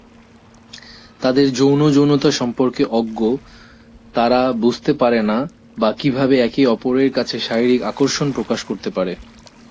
তাদের যৌন যৌনতা সম্পর্কে অজ্ঞ, তারা বুঝতে পারে না বা কীভাবে একে অপরের কাছে শারীরিক আকর্ষণ প্রকাশ করতে পারে।